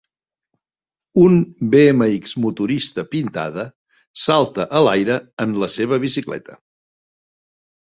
Un BMX motorista pintada salta a l'aire en la seva bicicleta.